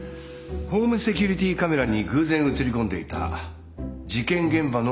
ホームセキュリティーカメラに偶然写り込んでいた事件現場の映像です。